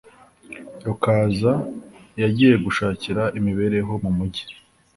rukaza yagiye gushakira imibereho mu mugi